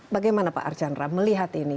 bagaimana pak archandra melihat ini